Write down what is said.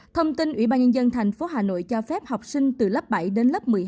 thông tin ủy ban nhân dân tp hà nội cho phép học sinh từ lớp bảy đến lớp một mươi hai